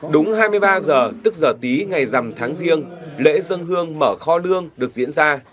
đúng hai mươi ba giờ tức giờ tí ngày dằm tháng riêng lễ dân hương mở kho lương được diễn ra